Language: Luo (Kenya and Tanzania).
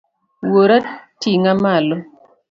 Wuora ting'a malo.